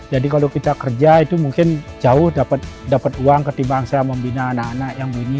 jadi kalau kita kerja itu mungkin jauh dapat uang ketimbang saya membina anak anak yang bini